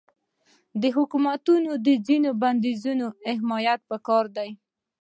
د حکومتونو د ځینو بندیزونو حمایت پکار دی.